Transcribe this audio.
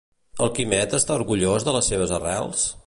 El Quimet està orgullós de les seves arrels?